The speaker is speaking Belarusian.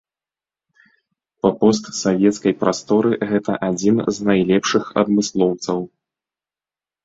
Па постсавецкай прасторы гэта адзін з найлепшых адмыслоўцаў.